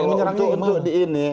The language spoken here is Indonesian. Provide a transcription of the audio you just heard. untuk di ini